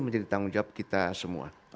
menjadi tanggung jawab kita semua